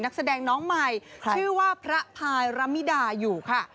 นักแสดงน้องใหม่ชื่อว่าพระพายรมิดาอยู่ค่ะ